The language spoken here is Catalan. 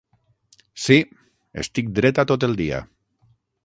Sí. Estic dreta tot el dia